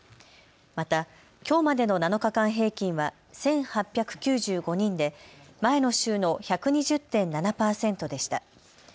またきょうまでの７日間平均は１８９５人で前の週の１２０．７％でした。